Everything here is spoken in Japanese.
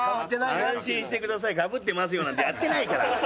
「安心してくださいかぶってますよ」なんてやってないから。